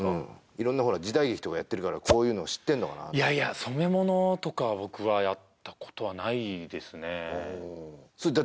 いろんな時代劇とかやってるからこういうの知ってんのかなといやいや染め物とか僕はやったことはないですねだ